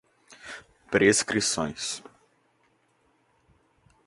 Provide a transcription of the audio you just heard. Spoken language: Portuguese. prescrições